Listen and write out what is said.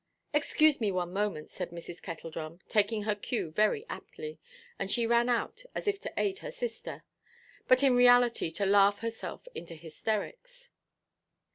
"Excuse me one moment," said Mrs. Kettledrum, taking her cue very aptly; and she ran out, as if to aid her sister, but in reality to laugh herself into hysterics.